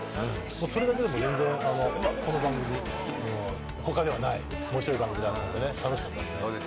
それだけでも全然わっこの番組他ではない面白い番組だなと思ってね楽しかったですね